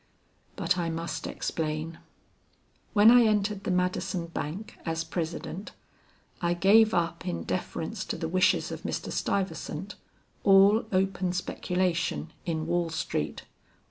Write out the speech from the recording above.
But I must explain. "When I entered the Madison Bank as President, I gave up in deference to the wishes of Mr. Stuyvesant all open speculation in Wall Street.